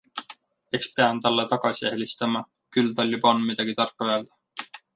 Eks pean talle tagasi helistama, küll tal juba on midagi tarka öelda.